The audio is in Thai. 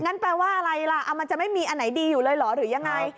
นั่นแปลว่าอะไรล่ะมันจะไม่มีอันไหนดีอยู่หรือยังไง